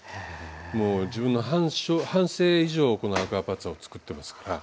もう自分の半生以上このアクアパッツァを作ってますから。